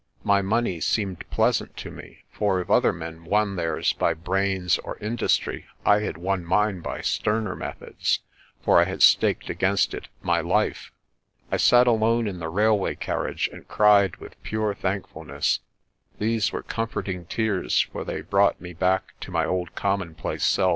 My money seemed pleasant to me, for if other men won theirs by brains or industry, I had won mine by sterner methods, for I had staked against it my life. I sat alone in the railway carriage and cried with pure thank fulness. These were comforting tears, for they brought me back to my old commonplace self.